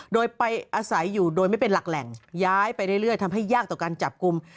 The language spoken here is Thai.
โดยไปอาศัยอยู่โดยไม่เป็นหลักแหล่งย้ายไปเรื่อยทำให้ยากต่อการจับกลุ่ม